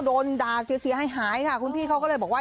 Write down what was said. โดนด่าเสียหายหายค่ะคุณพี่เขาก็เลยบอกว่า